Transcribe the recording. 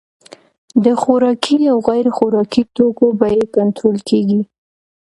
د خوراکي او غیر خوراکي توکو بیې کنټرول کیږي.